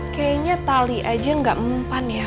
kayaknya tali aja nggak mempan ya